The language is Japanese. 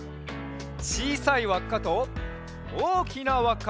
ちいさいわっかとおおきなわっか。